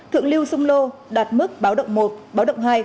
thượng lưu sông lô đạt mức báo động một báo động hai